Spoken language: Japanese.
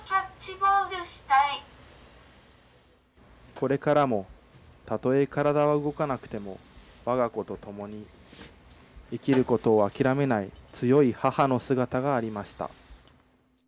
これからも、たとえ体は動かなくても、わが子と共に生きることを諦めない強い母の姿がありました。